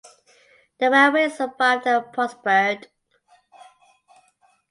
The railway survived and prospered.